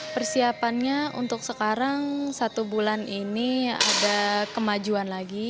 persiapannya untuk sekarang satu bulan ini ada kemajuan lagi